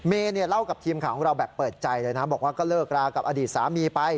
เล่ากับทีมข่าวของเราแบบเปิดใจเลยนะบอกว่าก็เลิกรากับอดีตสามีไป